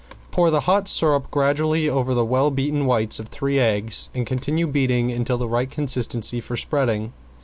Pour the hot syrup gradually over the well beaten whites of three eggs and continue beating until of the right consistency for spreading.